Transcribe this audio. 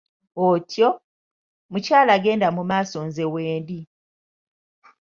Otyo, mukyala genda mu maaso nze wendi.